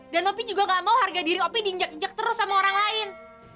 opi juga gak mau harga diri opi diinjak injak terus sama orang lain